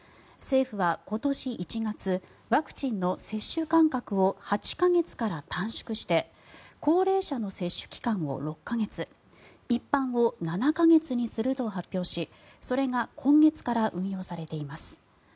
政府は今年１月ワクチンの接種間隔を８か月から短縮して高齢者の接種期間を６か月一般を７か月にすると発表しそれが今月から運用されています。